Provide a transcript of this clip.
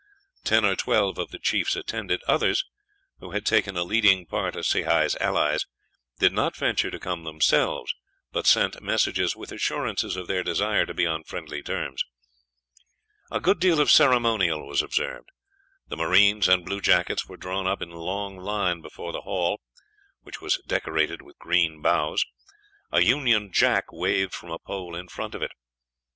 Ten or twelve of the chiefs attended; others, who had taken a leading part as Sehi's allies, did not venture to come themselves, but sent messages with assurances of their desire to be on friendly terms. A good deal of ceremonial was observed. The marines and bluejackets were drawn up in line before the hall, which was decorated with green boughs; a Union jack waved from a pole in front of it.